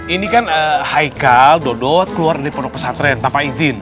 ini kan haikal dodot keluar dari pondok pesantren tanpa izin